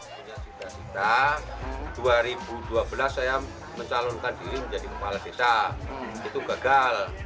pernah pernahan dua ribu dua belas saya mencalonkan diri menjadi kepala desa itu gagal